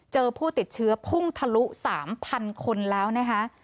ผู้ติดเชื้อพุ่งทะลุ๓๐๐คนแล้วนะคะ